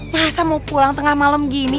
pemirsa mau pulang tengah malam gini